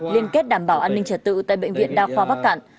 liên kết đảm bảo an ninh trật tự tại bệnh viện đa khoa bắc cạn